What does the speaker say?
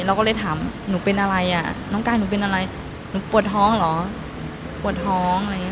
เราก็เลยถามหนูเป็นอะไรอ่ะน้องกายหนูเป็นอะไรหนูปวดท้องเหรอปวดท้องอะไรอย่างนี้